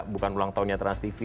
bukan ulang tahunnya transtv